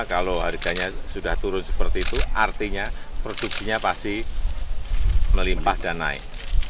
kalau harganya sudah turun seperti itu artinya produksinya pasti melimpah dan naik